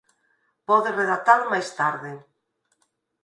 Podes redactalo máis tarde.